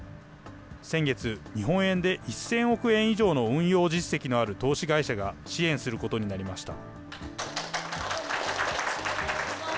先月、日本円で１０００億円以上の運用実績のある投資会社が支援することになりました。